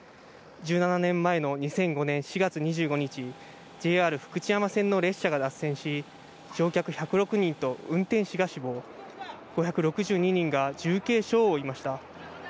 １７年前の２００５年４月２５日、ＪＲ福知山線の列車が脱線し、乗客１０６人と運転士が死亡、５６２人が重軽傷を負いました。